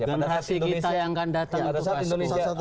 generasi kita yang akan datang ke farsco